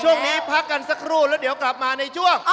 ช่วงนี้พักกันสักครู่แล้วเดี๋ยวกลับมาในช่วง